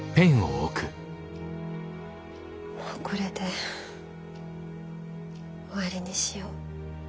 もうこれで終わりにしよう。